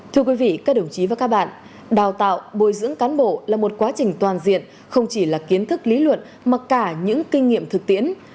thưa quý vị các đồng chí và các bạn đào tạo bồi dưỡng cán bộ là một quá trình toàn diện không chỉ là kiến thức lý luận mà cả những kinh nghiệm thực tiễn